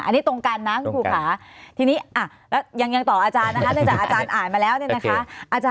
อันนี้ตรงกันนะคุณครูขาทีนี้ยังต่ออาจารย์นะคะอาจารย์อ่านมาแล้วเนี่ยนะคะ